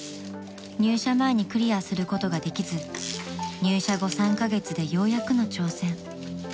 ［入社前にクリアすることができず入社後３カ月でようやくの挑戦］